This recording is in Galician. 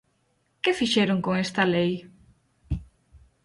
¿Que fixeron con esta lei?